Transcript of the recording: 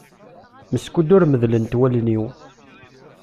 Meskud ur medlent wallen-iw.